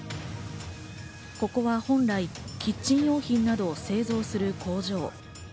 ここは本来キッチン用品などを製造する工場。